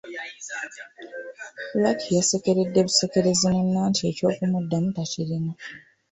Lucky yasekerera busekerezi munne anti eky'okumuddamu takirina.